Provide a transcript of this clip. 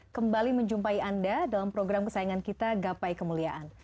kembali menjumpai anda dalam program kesayangan kita gapai kemuliaan